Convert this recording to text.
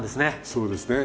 そうですね。